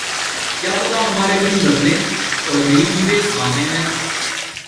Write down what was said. کیا پتا ہمارے دن بدلیں اور نئی چیزیں سامنے آئیں۔